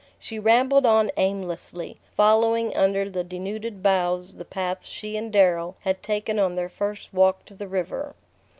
She rambled on aimlessly, following under the denuded boughs the path she and Darrow had taken on their first walk to the river.